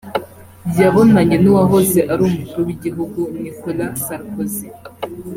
yabonanye n’uwahoze ari umukuru w’igihugu Nicolas Sarkozy